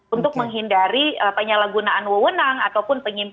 untuk menghindari penyalahgunaan wewenang ataupun penyelidikan